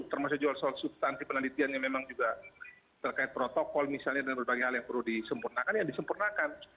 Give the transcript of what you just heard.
termasuk juga soal substansi penelitian yang memang juga terkait protokol misalnya dan berbagai hal yang perlu disempurnakan ya disempurnakan